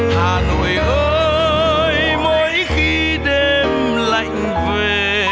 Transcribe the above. hà nội ơi mới khi đêm lạnh về